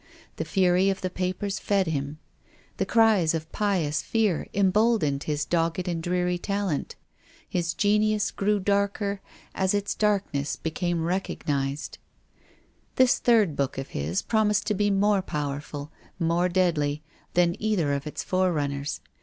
The fury of the papers fed him. The cries of pious fear embold ened his dogged and dreary talent. His genius grew darker as its darkness became recognised. This third book of his promised to be more powerful, more deadly, than either of its fore runners.